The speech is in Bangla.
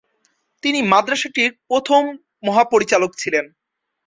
তিনি মাদ্রাসাটির প্রথম মহাপরিচালক ছিলেন।